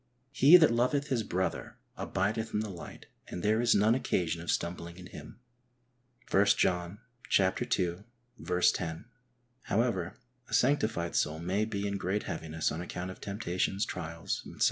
He that loveth his brother abideth in the light, and there is none occasion of stumbling in him (i John ii. 10). However, a sanctified soul may be in great heaviness on account of temptations, trials, etc.